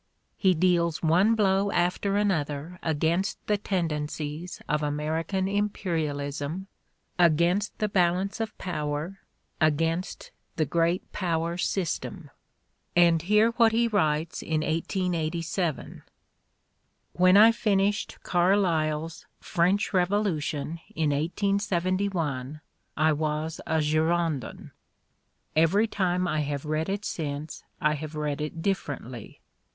He deals one blow after another against the tendencies of American imperialism, against the Balance of Power, against the Great Power system. And hear what he writes in 1887: "When I finished darlyle's 'French Everybody's Neighbor 139 Revolution' in 1871, I was a Girondin; every time I have read it since I have read it differently